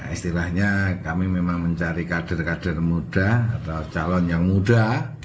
istilahnya kami memang mencari kader kader muda atau calon yang muda